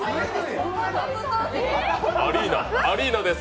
アリーナです！